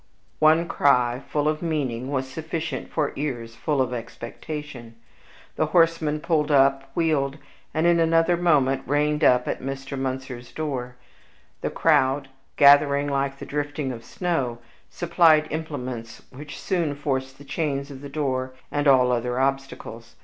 One cry, full of meaning, was sufficient for ears full of expectation. The horsemen pulled up, wheeled, and in another moment reined up at Mr. Munzer's door. The crowd, gathering like the drifting of snow, supplied implements which soon forced the chains of the door and all other obstacles.